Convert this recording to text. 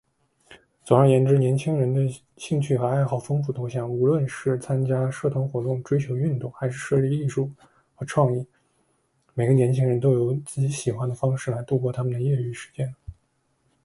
总而言之，年轻人的兴趣和爱好丰富多样。无论是参加社团活动、追求运动，还是涉猎艺术和创意，每个年轻人都有自己喜欢的方式来度过他们的业余时间。